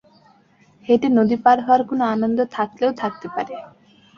হেঁটে নদী পার হওয়ার কোনো আনন্দ থাকলেও থাকতে পারে।